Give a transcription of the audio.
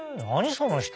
その人。